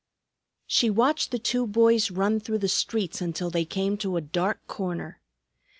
She watched the two boys run through the streets until they came to a dark corner.